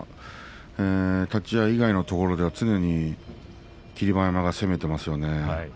立ち合い以外のところでは霧馬山が攻めてますね。